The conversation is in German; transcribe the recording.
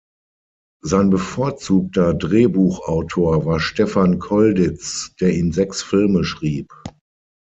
Sein bevorzugter Drehbuchautor war Stefan Kolditz, der ihm sechs Filme schrieb.